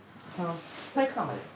体育館まで？